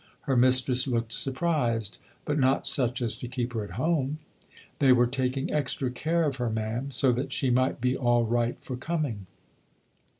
Her mistress looked surprised. " But not such as to keep her at home ?"" They were taking extra care of her, ma'am so that she might be all right for coming."